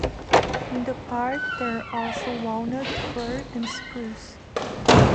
In the park there are also walnut, fir, and spruce.